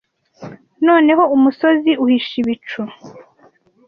Noneho umusozi uhishe ibicu.